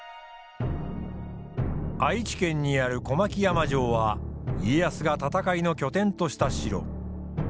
愛知県にある小牧山城は家康が戦いの拠点とした城。